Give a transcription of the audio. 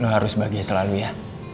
harus bahagia selalu ya